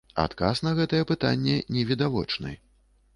Адказ на гэтае пытанне невідавочны.